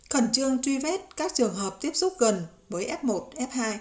khẩn trương truy vết các trường hợp tiếp xúc gần với f một f hai